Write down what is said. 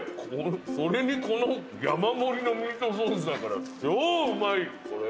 それにこの山盛りのミートソースだから超うまいこれは。